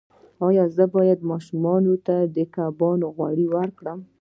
ایا زه باید ماشوم ته د کبانو غوړي ورکړم؟